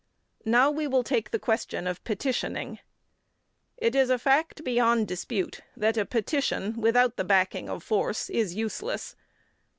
Now we will take the question of petitioning. It is a fact beyond dispute that a petition, without the backing of force, is useless.